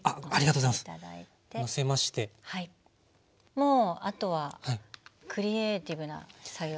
もうあとはクリエーティブな作業ってことで。